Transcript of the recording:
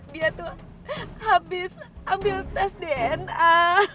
dia tuh habis ambil tes dna